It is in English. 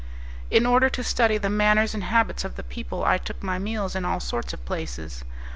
In order to study the manners and habits of the people, I took my meals in all sorts of places.